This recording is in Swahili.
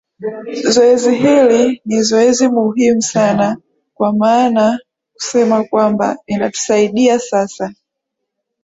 zoezi hili ni zoezi muhimu sana kwa maana kusema kwamba inatusaidia sasa